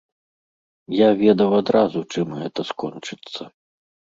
Я ведаў адразу, чым гэта скончыцца.